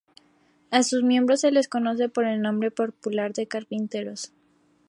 A sus miembros se les conoce por el nombre popular de carpinteros.